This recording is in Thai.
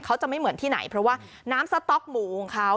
เขาจะไม่เหมือนที่ไหนเพราะว่าน้ำสต๊อกหมูของเขา